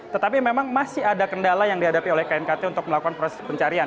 tetapi memang masih ada kendala yang dihadapi oleh knkt untuk melakukan proses pencarian